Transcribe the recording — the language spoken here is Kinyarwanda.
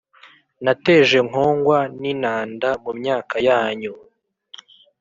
Nateje nkongwa n’inanda mu myaka yanyu;